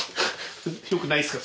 よくないすか？